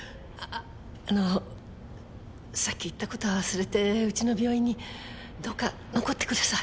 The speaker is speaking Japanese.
あのさっき言った事は忘れてうちの病院にどうか残ってください。